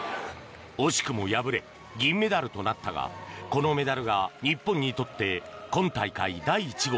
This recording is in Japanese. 惜しくも敗れ金メダルとなったがこのメダルが日本にとって今大会第１号。